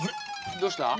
どうした？